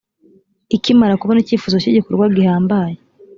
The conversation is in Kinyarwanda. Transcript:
ikimara kubona icyifuzo cy igikorwa gihambaye